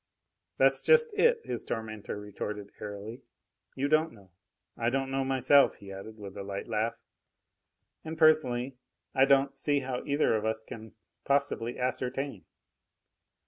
"That's just it!" his tormentor retorted airily. "You don't know. I don't know myself," he added, with a light laugh. "And, personally, I don't see how either of us can possibly ascertain.